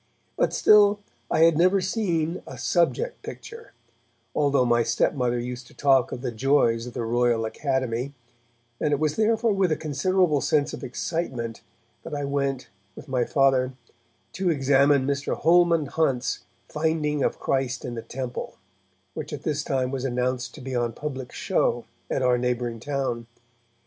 But still I had never seen a subject picture, although my stepmother used to talk of the joys of the Royal Academy, and it was therefore with a considerable sense of excitement that I went, with my Father, to examine Mr. Holman Hunt's 'Finding of Christ in the Temple' which at this time was announced to be on public show at our neighbouring town.